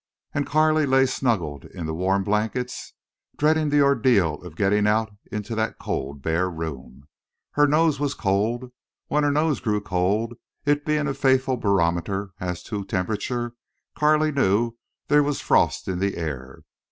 And Carley lay snuggled in the warm blankets, dreading the ordeal of getting out into that cold bare room. Her nose was cold. When her nose grew cold, it being a faithful barometer as to temperature, Carley knew there was frost in the air.